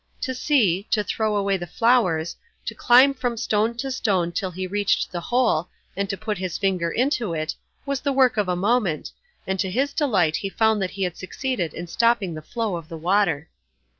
To see, to throw away the flowers, to climb from stone to stone till he reached the hole, and to put his finger into it, was the work of a moment, and to his delight he found that he had succeeded in stopping the flow of the water.